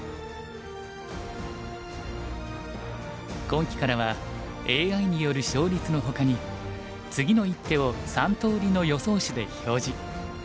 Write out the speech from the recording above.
今期からはＡＩによる勝率のほかに次の一手を３通りの予想手で表示。